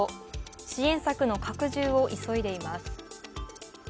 支援策の拡充を急いでいます。